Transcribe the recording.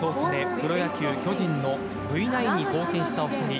プロ野球、巨人のＶ９に貢献した２人。